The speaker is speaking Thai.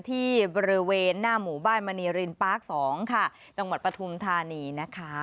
ที่บริเวณหน้าหมู่บ้านมณีรินปาร์ค๒ค่ะจังหวัดปฐุมธานีนะคะ